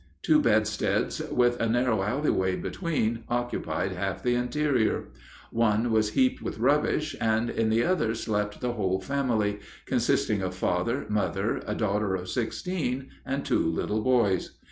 Two bedsteads, with a narrow alleyway between, occupied half the interior. One was heaped with rubbish, and in the other slept the whole family, consisting of father, mother, a daughter of sixteen, and two little boys.